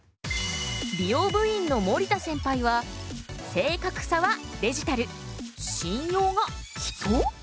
美容部員の守田センパイは「正確さはデジタル信用が人」？